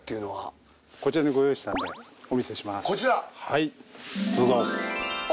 はいどうぞ。